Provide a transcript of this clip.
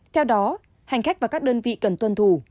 theo đó hành khách và các đơn vị cần tuân thủ